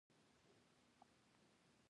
د پی سي ار جراثیم یا وایرس ډېروي.